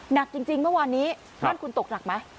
หนักจริงเมื่อวานนี้บ้านคุณตกหนักไหม